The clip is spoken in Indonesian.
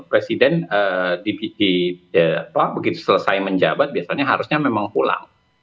presiden begitu selesai menjabat biasanya harusnya memang pulang